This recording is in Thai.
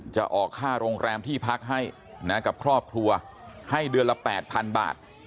จะออกค่าโรงแรมที่พักให้นะกับครอบครัวให้เดือนละ๘๐๐๐บาท